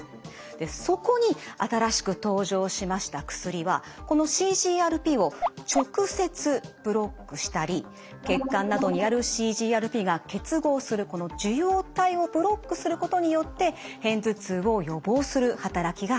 そこに新しく登場しました薬はこのＣＧＲＰを直接ブロックしたり血管などにあるＣＧＲＰが結合するこの受容体をブロックすることによって片頭痛を予防する働きがあります。